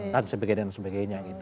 dan sebagainya dan sebagainya